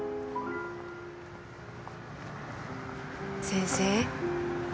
先生。